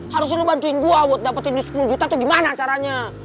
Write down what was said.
harusnya lu bantuin gua buat dapetin sepuluh juta tuh gimana caranya